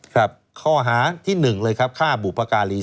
ครับข้อหาที่๑เลยครับฆ่าบุพการี